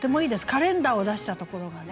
カレンダーを出したところがね。